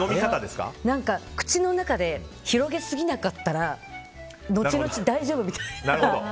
口の中で広げすぎなかったら後々大丈夫みたいな。